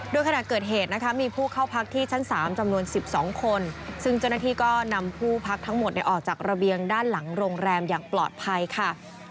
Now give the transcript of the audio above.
โดยขณะเกิดเหตุนะคะมีผู้เข้าพักที่ชั้น๓จำนวน๑๒คนซึ่งเจ้าหน้าที่ก็นำผู้พักทั้งหมดออกจากระเบียงด้านหลังโรงแรมอย่างปลอดภัยค่ะ